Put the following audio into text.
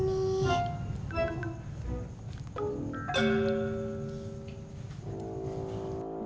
ya asli kalon kita ga mau ikut kan